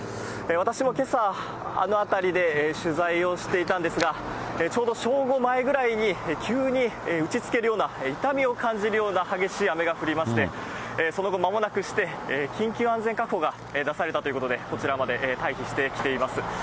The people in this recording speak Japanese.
私もけさ、あの辺りで取材をしていたんですが、ちょうど正午前ぐらいに、急に打ちつけるような、痛みを感じるような激しい雨が降りまして、その後、まもなくして緊急安全確保が出されたということで、こちらまで退避してきています。